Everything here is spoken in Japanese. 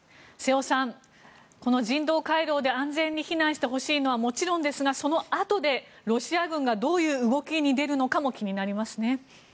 瀬尾さん、この人道回廊で安全に避難してほしいのはもちろんですがそのあとでロシア軍がどういう動きに出るのかも気になります。